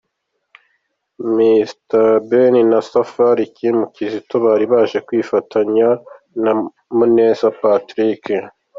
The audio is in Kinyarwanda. Mr Bean na Safari Kim Kizito bari baje kwifatanya na Muneza Patrick.